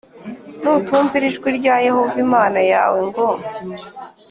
“Nutumvira ijwi rya Yehova Imana yawe ngo